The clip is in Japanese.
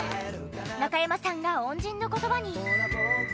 中山さんが恩人の言葉に